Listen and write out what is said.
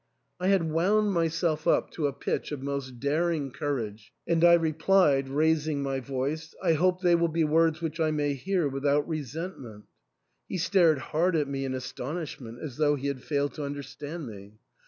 I had wound myself up to a pitch of most daring courage, and I replied, raising my voice, " I hope they will be words which I may hear without resentment." He stared hard at me in aston ishment, as though he had failed to understand me.